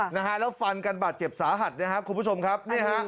แล้วฟันกันบาดเจ็บสาหัสคุณผู้ชมครับ